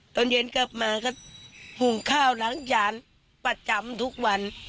ตอนเย็นกลับมาก็หุงข้าวล้างจานประจำทุกวัน